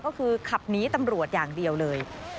ก็คือขับหนีตำรวจอย่างเดียวเลย